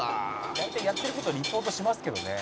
「大体やってる事リポートしますけどね」